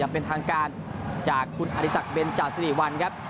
เป็นทางการจากคุณอริสักเบนจาสิริวัลครับ